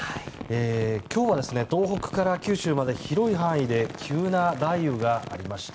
今日は東北から九州まで広い範囲で急な雷雨がありました。